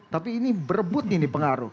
tapi ini berebut ini pengaruh